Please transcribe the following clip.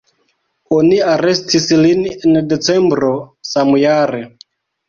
Oni arestis lin en decembro samjare.